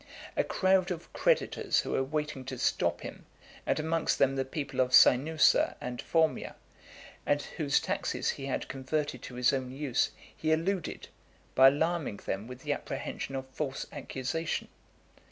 A crowd of creditors who were waiting to stop him, and amongst them the people of Sineussa and Formia, whose taxes he had converted to his own use, he eluded, by alarming them with the apprehension of false accusation.